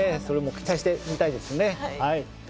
それも期待して見たいですね。